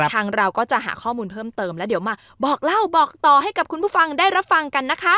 ทางเราก็จะหาข้อมูลเพิ่มเติมแล้วเดี๋ยวมาบอกเล่าบอกต่อให้กับคุณผู้ฟังได้รับฟังกันนะคะ